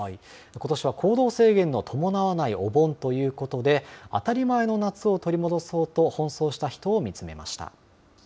ことしは行動制限の伴わないお盆ということで、当たり前の夏を取り戻そうと奔走した人を見つめました。